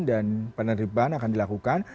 dan penerimaan akan dilakukan